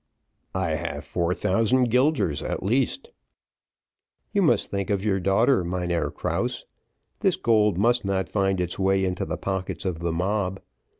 "I have four thousand guilders, at least." "You must think of your daughter, Mynheer Krause. This gold must not find its way into the pockets of the mob.